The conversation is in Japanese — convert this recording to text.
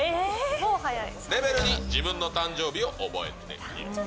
レベル２、自分の誕生日を覚えている。